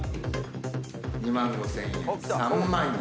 ２万５，０００円３万円。